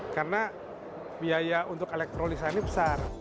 karena biaya untuk elektrolisa ini besar